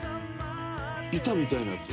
「板みたいなやつ」